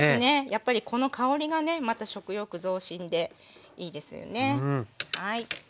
やっぱりこの香りがねまた食欲増進でいいですよね。